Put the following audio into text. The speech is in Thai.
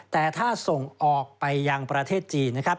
แต่ถ้าส่งออกไปยังประเทศจีนนะครับ